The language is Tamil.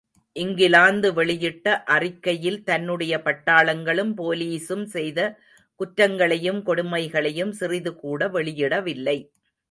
இங்கிலாந்து வெளியிட்ட அறிக்கையில் தன்னுடைய பட்டாளங்களும் போலிஸும் செய்த குற்றங்களையும் கொடுமைகளையும் சிறிது கூட வெளியிடவில்லை.